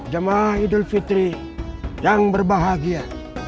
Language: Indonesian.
jemaah idul fitri yang berbahagia